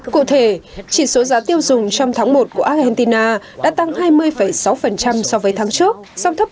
cụ thể chỉ số giá tiêu dùng trong tháng một của argentina đã tăng hai mươi sáu so với tháng trước song thấp